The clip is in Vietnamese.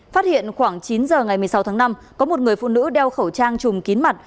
phát hiện khoảng chín giờ ngày một mươi sáu tháng năm có một người phụ nữ đeo khẩu trang chùm kín mặt